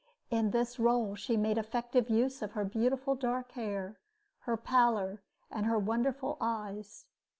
In this role she made effective use of her beautiful dark hair, her pallor, and her wonderful eyes.